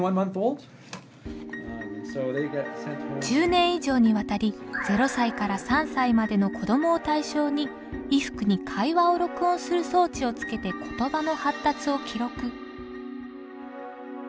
１０年以上にわたり０歳から３歳までの子どもを対象に衣服に会話を録音する装置をつけて言葉の発達を記録。